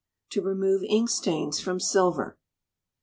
To remove Ink Stains from Silver.